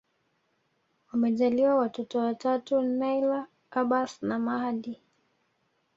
Wamejaliwa watoto watatu Nyla Abbas na Mahdi